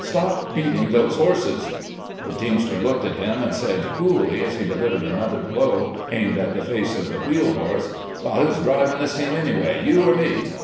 Stop beating those horses !" The teamster looked at him, and said coolly, as he delivered another blow aimed at the face of the wheel horse :" Well, who 's drivin' this team any how— you or me